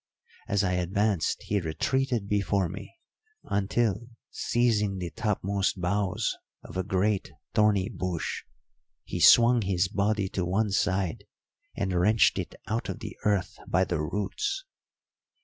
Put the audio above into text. As I advanced he retreated before me, until, seizing the topmost boughs of a great thorny bush, he swung his body to one side and wrenched it out of the earth by the roots.